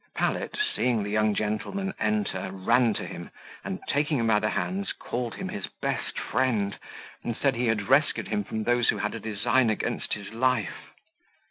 Pallet, seeing the young gentleman enter, ran to him, and, taking him by the hands, called him his best friend, and said he had rescued him from those who had a design against his life.